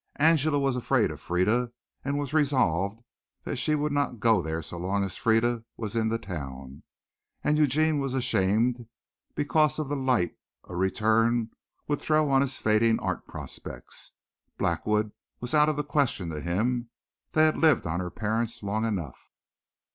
Angela was afraid of Frieda and was resolved that she would not go there so long as Frieda was in the town, and Eugene was ashamed because of the light a return would throw on his fading art prospects. Blackwood was out of the question to him. They had lived on her parents long enough.